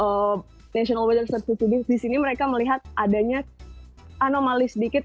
dan memang bagi national weather service disini mereka melihat adanya anomali sedikit